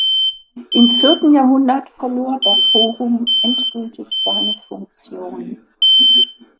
Im vierten Jahrhundert verlor das Forum endgültig seine Funktion.